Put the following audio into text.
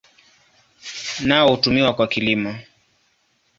Nao hutumiwa kwa kilimo.